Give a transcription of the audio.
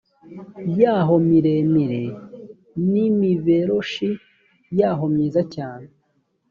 yaho miremire n imiberoshi yaho myiza cyane